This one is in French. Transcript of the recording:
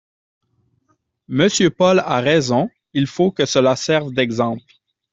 Monsieur Paul a raison, il faut que cela serve d’exemple